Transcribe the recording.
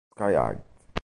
Sky High